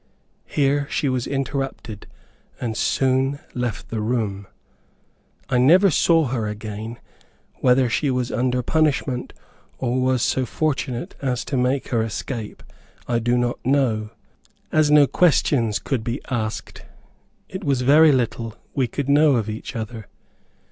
Here she was interrupted, and soon left the room. I never saw her again. Whether she was under punishment, or was so fortunate as to make her escape, I do not know. As no questions could be asked, it was very little we could know of each other.